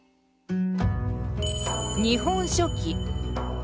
「日本書紀」。